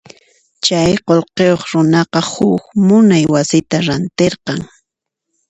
Chay qullqiyuq runaqa huk munay wasita rantirqan.